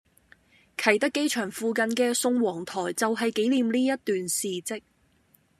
啟德機場附近嘅宋王臺就係紀念呢一段事跡